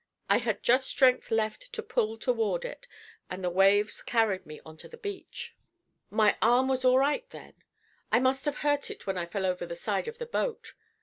I had just strength left to pull toward it, and the waves carried me on to the beach. My arm was all right then. I must have hurt it when I fell over the side of the boat.